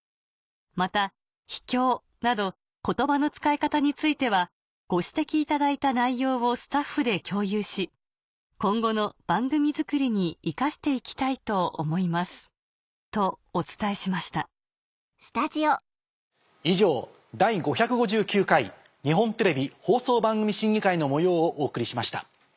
「また『秘境』など言葉の使い方についてはご指摘いただいた内容をスタッフで共有し今後の番組作りに生かして行きたいと思います」とお伝えしました以上「第５５９回日本テレビ放送番組審議会」の模様をお送りしました。